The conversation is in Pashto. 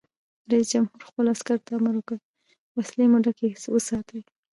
رئیس جمهور خپلو عسکرو ته امر وکړ؛ وسلې مو ډکې وساتئ!